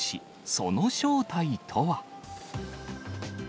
その正体とは。